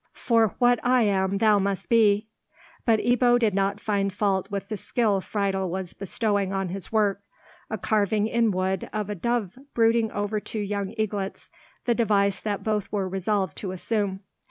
For what I am thou must be!" But Ebbo did not find fault with the skill Friedel was bestowing on his work—a carving in wood of a dove brooding over two young eagles—the device that both were resolved to assume.